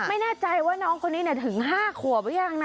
ไม่แน่ใจว่าน้องคนนี้ถึง๕ขวบหรือยังนะ